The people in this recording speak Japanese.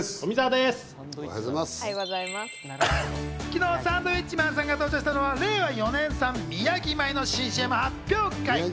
昨日サンドウィッチマンさんが登場したのは、令和４年産・宮城米の新ＣＭ発表会。